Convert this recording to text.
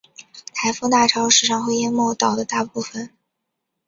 台风大潮时常会淹没岛的大部分。